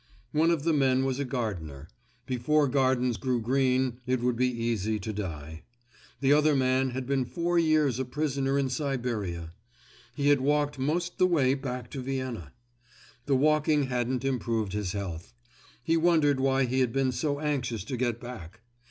One of the men was a gardener; before gardens grew green it would be easy to die. The other man had been four years a prisoner in Siberia. He had walked most the way back to Vienna. The walking hadn't improved his health. He wondered why he had been so anxious to get back.